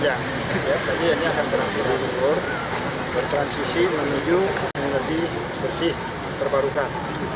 kita masih memakai fosil yang dulu masuk ke program